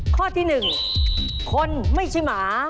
ข้อที่หนึ่งคนไม่ใช่หมา